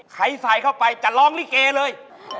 ใครใส่ถ้าเลยล้องดิเกเลย